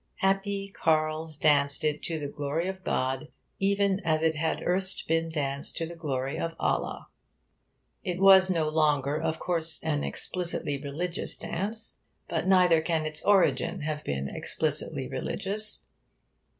Happy carles danced it to the glory of God, even as it had erst been danced to the glory of Allah. It was no longer, of course, an explicitly religious dance. But neither can its origin have been explicitly religious.